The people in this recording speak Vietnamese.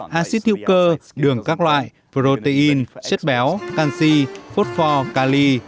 hà xích thiệu cơ đường các loại protein chất béo canxi phốt phò cali